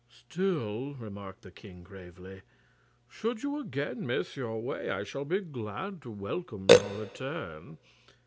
"Still," remarked the king, gravely, "should you again miss your way, I shall be glad to welcome your return."